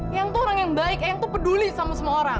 yang tuh orang yang baik yang tuh peduli sama semua orang